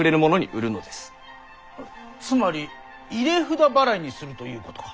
つまり入札払いにするということか？